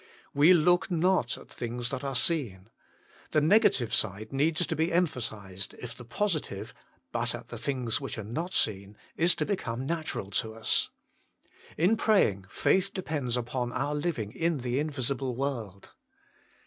" We look not at the things that are seen " the negative side needs to be emphasised if the positive, " but at the things which are not seen," is to become natural to us. In praying, faith depends upon our living in the invisible world.